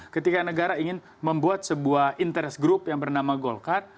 ketika negara ingin membuat sebuah interest group yang bernama golkar